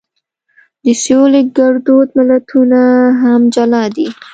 د سویلي ګړدود متلونه هم جلا دي